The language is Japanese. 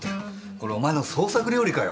これお前の創作料理かよ？